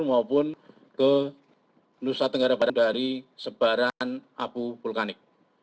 maupun ke nusa tenggara barat dari sebaran abu vulkanik